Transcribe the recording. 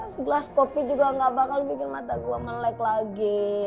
segelas kopi juga gak bakal bikin mata gue melek lagi